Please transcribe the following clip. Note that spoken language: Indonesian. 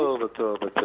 iya betul betul